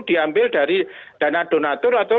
diambil dari dana donatur atau